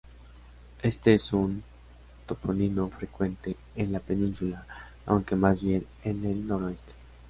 Este es un topónimo frecuente en la península, aunque más bien en el noroeste.